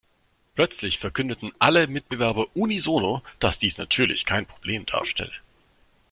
Plötzlich verkündeten alle Mitbewerber unisono, dass dies natürlich kein Problem darstelle.